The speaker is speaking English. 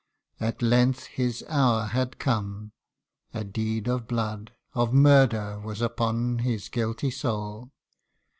At length his hour had come a deed of blood, Of murder, was upon his guilty soul.